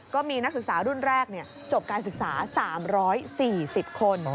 ก็มีนักศึกษารุ่นแรกจบการศึกษา๓๔๐คน